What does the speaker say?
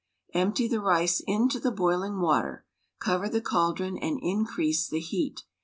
Empty the rice into the boiling water. Cover the caldron and increase the heat.